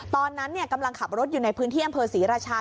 ตอนนั้นกำลังขับรถอยู่ในพื้นที่อำเภอศรีราชา